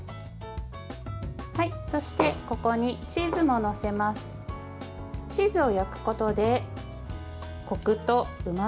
そして、ここにチーズも載せます。